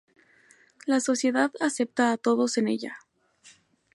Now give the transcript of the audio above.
La sociedad acepta a todos en ella.